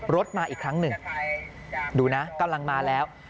รถมาอีกครั้งหนึ่งดูนะกำลังมาแล้ว